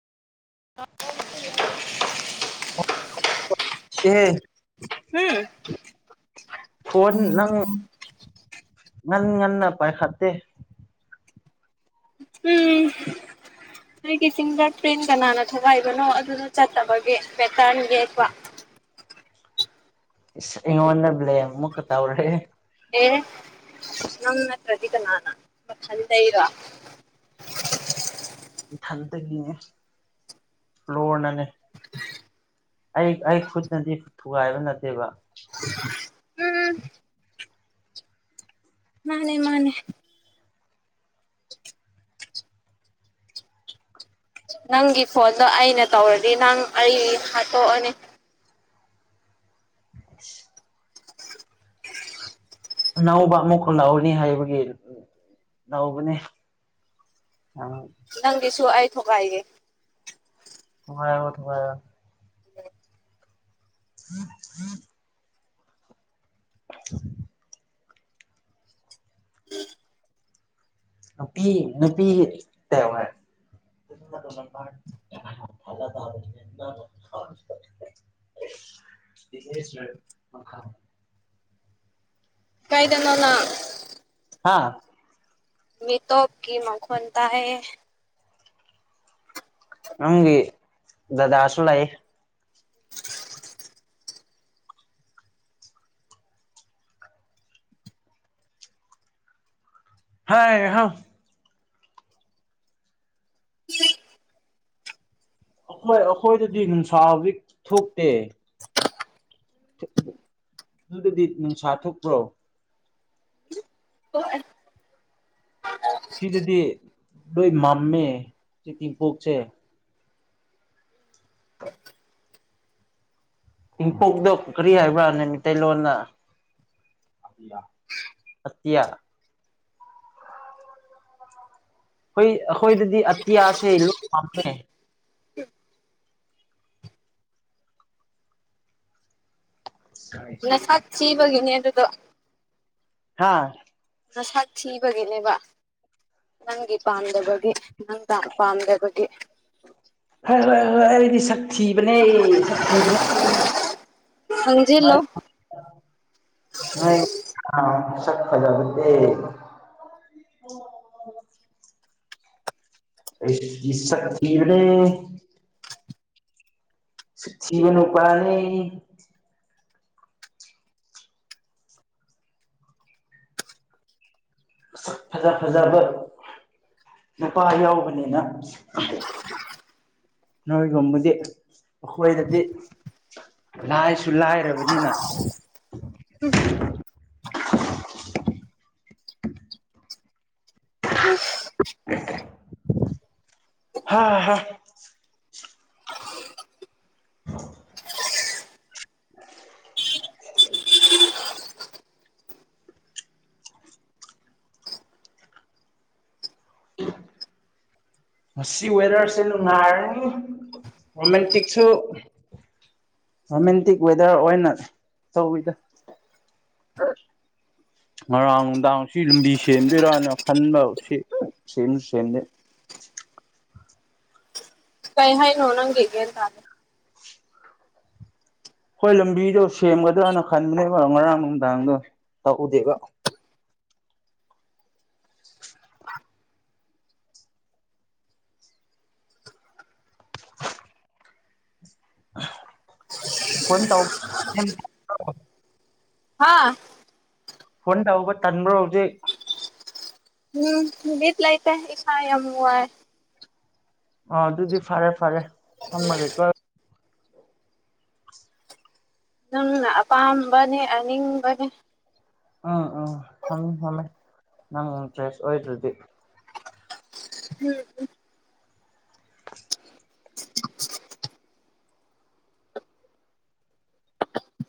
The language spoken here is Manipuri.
ꯑꯦꯍꯦ ꯎꯝ ꯐꯣꯟ ꯅꯪ ꯉꯟ ꯉꯟꯅ ꯄꯥꯏꯈꯠꯇꯦ ꯎꯝ ꯑꯩꯒꯤ ꯐꯤꯡꯒꯔ ꯄ꯭ꯔꯤꯟ ꯀꯅꯥꯅ ꯊꯒꯥꯏꯕꯅꯣ ꯑꯗꯨꯅ ꯆꯠꯇꯕꯒꯤ ꯄꯦꯇꯔꯟ ꯌꯦꯛꯄ ꯑꯁ ꯏꯉꯣꯟ ꯕ꯭ꯂꯦ ꯑꯃꯨꯛ ꯇꯧꯔꯦꯍꯦ ꯑꯦ ꯅꯪ ꯅꯠꯇ꯭ꯔꯗꯤ ꯀꯅꯥꯅ ꯃꯊꯜꯗꯔꯣ ꯏꯊꯟꯇꯒꯤꯅꯦ ꯐꯣꯔꯅꯅꯦ ꯑꯩ ꯑꯩ ꯈꯨꯠꯅꯗꯤ ꯊꯨꯒꯥꯏꯕ ꯅꯠꯇꯦꯕ ꯎꯝ ꯃꯥꯅꯦ ꯃꯥꯅꯦ ꯅꯪꯒꯤ ꯐꯣꯟꯗꯣ ꯑꯩꯅ ꯇꯧꯔꯗꯤ ꯅꯪ ꯑꯩ ꯍꯥꯠꯇꯣꯛꯑꯅꯤ ꯑꯁ ꯑ ꯅꯧꯕ ꯑꯃꯨꯛꯈ ꯂꯧꯎꯅꯤ ꯍꯥꯏꯕꯒꯤ ꯇꯧꯕꯅꯦ ꯑꯪ ꯅꯪꯗꯤꯁꯨ ꯑꯩ ꯊꯨꯒꯥꯏꯒꯦ [unintelligible] [inaudible] [inaudible] ꯅꯨꯄꯤ ꯅꯨꯄꯤ [unintelligible] [inaudible] [unintelligible] ꯀꯥꯏꯗꯅ‌ꯣ ꯅꯪ ꯍꯥꯥ ꯃꯤꯇꯣꯞꯀꯤ ꯃꯈꯣꯟ ꯇꯥꯏꯌ‌ꯦ ꯅꯪꯒꯤ ꯗꯗꯥꯁꯨ ꯂꯩ ꯍꯥꯏ ꯍꯥ ꯑꯩꯈꯣꯏ ꯑꯩꯈꯣꯏꯗꯗꯤ ꯅꯨꯡꯁꯥꯕꯨꯗꯤ ꯊꯣꯛꯇꯦ ꯑꯗꯨꯗꯗꯤ ꯅꯨꯡꯁꯥ ꯊꯣꯛꯄ꯭ꯔꯣ ꯊ‌ꯣꯛꯑꯦ ꯁꯤꯗꯗꯤ ꯂꯣꯏ ꯃꯥꯝꯃꯦ ꯁꯤ [unintelligible] ꯏꯪꯄꯣꯛꯗꯣ ꯀꯔꯤ ꯍꯥꯏꯕꯔ ꯅ‌ꯣꯏ ꯃꯤꯇꯩꯂꯣꯟꯗ ꯑꯠꯇꯤꯌꯥ ꯑꯈ‌ꯣꯏ ꯑꯈꯣꯏꯗꯗꯤ ꯑꯇꯤꯌꯥꯁꯦ ꯂꯣꯏ ꯄꯥꯝꯃꯦ ꯅꯁꯥꯛ ꯊꯤꯕꯒꯤꯅꯤ ꯑꯗꯨꯗꯣ ꯍꯥꯥ ꯅꯁꯥꯛ ꯊꯤꯕꯒꯤꯅꯦꯕ ꯅꯪꯒꯤ ꯄꯥꯝꯗꯕꯒꯤ ꯅꯪ ꯄꯥꯝꯗꯕꯒꯤ ꯍꯥꯏꯔ‌ꯣ ꯍꯥꯏꯔ‌ꯣ ꯑꯩꯗꯤ ꯁꯛ ꯊꯤꯕꯅꯦ ꯁꯛ ꯊꯤꯕꯅꯦ ꯈꯪꯖꯤꯜꯂꯣ [unintelligible] ꯁꯛ ꯐꯖꯕꯖ‌ꯦ ꯑꯩꯗꯤ ꯁꯛ ꯊꯤꯕꯅꯦ ꯁꯛ ꯊꯤꯕ ꯅꯨꯄꯥꯅ‌ꯦ ꯁꯛ ꯐꯖꯥ ꯐꯖꯥꯕ ꯅꯨꯄꯥ ꯌꯥꯎꯕꯅꯤꯅ ꯅꯣꯏꯒꯨꯝꯕꯗꯤ ꯑꯩꯈꯣꯏꯗꯗꯤ ꯂꯥꯏꯁꯨ ꯂꯥꯏꯔꯕꯅꯤꯅ [inaudible] ꯍꯥ ꯍꯥ [inaudible] [inaudible] [inaudible] ꯉꯁꯤ ꯋꯦꯗꯔꯁꯦ ꯅꯨꯡꯉꯥꯏꯔꯅꯤ ꯔꯣꯃꯦꯟꯇꯤꯛꯁꯨ ꯔꯣꯃꯦꯟꯇꯤꯛ ꯋꯦꯗꯔ ꯑꯣꯏꯅ ꯇꯧꯋꯤꯗ [inaudible] ꯉꯔꯥꯡ ꯅꯨꯡꯗꯥꯡ ꯁꯤ ꯂꯝꯕꯤ ꯁꯦꯝꯗꯣꯏꯔꯅ ꯈꯟꯕ ꯁꯤ ꯁꯦꯝꯁꯨ ꯁꯦꯝꯗꯦ ꯀꯩ ꯍꯥꯏꯅꯣ ꯅꯪ [unintelligible] ꯇꯗꯦ ꯑꯈ‌ꯣꯏ ꯂꯝꯕꯤꯗꯣ ꯁꯦꯝꯒꯗ꯭ꯔꯅ ꯈꯟꯕꯅꯦꯕ ꯉꯔꯥꯡ ꯅꯨꯡꯗꯥꯡꯗꯣ ꯇꯥꯛꯎꯗꯦꯕ ꯐꯣꯟ ꯇꯧ [unintelligible] ꯍꯥꯥ ꯐꯣꯟ ꯇꯧꯕ ꯇꯟꯕ꯭ꯔꯣ ꯍꯧꯖꯤꯛ [unintelligible] ꯂꯩꯇꯦ ꯏꯁꯥ ꯌꯥ ꯋꯥꯏ ꯑ ꯑꯗꯨꯗꯤ ꯐꯔꯦ ꯐꯔꯦ ꯊꯝꯃꯒꯦꯀꯣ ꯅꯪꯅ ꯑꯄꯥꯝꯕꯅꯦ ꯑꯅꯤꯡꯕꯅꯦ ꯑꯥ ꯑꯥ [unintelligible] ꯅꯪ ꯏꯟꯇꯔꯦꯁ ꯑꯣꯏꯗ꯭ꯔꯗꯤ [unintelligible]